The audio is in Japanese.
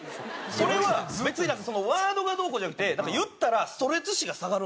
それは別にワードがどうこうじゃなくてなんか言ったらストレス値が下がるんですって。